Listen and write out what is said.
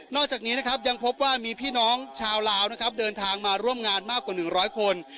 จากนี้นะครับยังพบว่ามีพี่น้องชาวลาวนะครับเดินทางมาร่วมงานมากกว่า๑๐๐คน